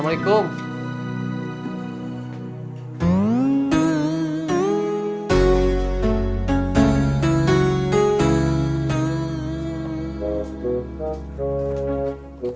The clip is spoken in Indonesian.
neng akan keluar dulu